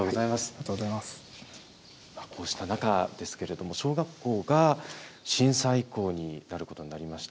こうした中ですけれども、小学校が震災遺構になることになりました。